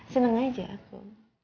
seneng aja aku